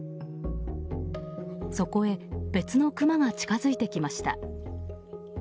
そこへ、別のクマが近づいてきました。